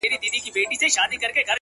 د طبیعت په تقاضاوو کي یې دل و ول کړم-